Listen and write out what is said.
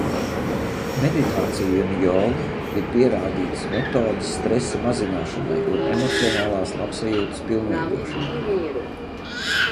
Meditācija un joga ir pierādītas metodes stresa mazināšanai un emocionālās labsajūtas pilnveidošanai.